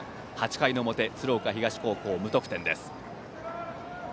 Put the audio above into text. ８回の表鶴岡東高校、無得点です。